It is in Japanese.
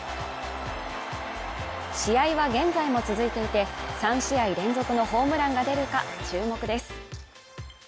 試合は現在も続いていて、３試合連続のホームランが出るか注目です。